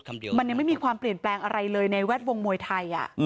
มันยังไม่มีความเปลี่ยนแปลงอะไรเลยในแวดวงมวยไทย